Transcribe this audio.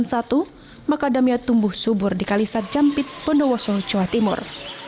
sejak seribu sembilan ratus sembilan puluh satu macadamia tumbuh subur di kalisat jampit pondowosol jawa timur